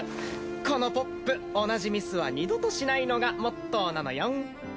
このポップ同じミスは二度としないのがモットーなのよん。